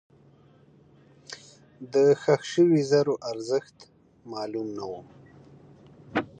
دښخ شوي زرو ارزښت معلوم نه و.